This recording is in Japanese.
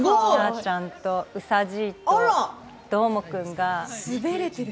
ちゃんとうさじいとどーもくんが。